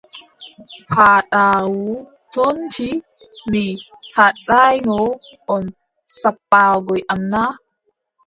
Paaɗaawu toonti: mi haɗaayno on sappaagoy am na?